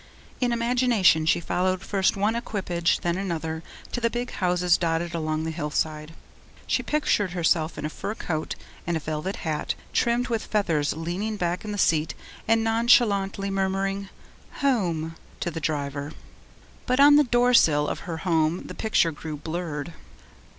In imagination she followed first one equipage, then another, to the big houses dotted along the hillside. She pictured herself in a fur coat and a velvet hat trimmed with feathers leaning back in the seat and nonchalantly murmuring 'Home' to the driver. But on the door sill of her home the picture grew blurred.